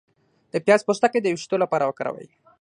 د پیاز پوستکی د ویښتو لپاره وکاروئ